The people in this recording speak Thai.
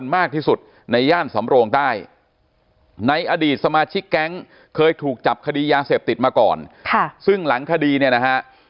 มากที่สุดในย่านสำโรงใต้ในอดีตสมาชิกแก๊งเคยถูกจับคดียาเสพติดมาก่อนซึ่งหลังคดีเนี่ยนะฮะ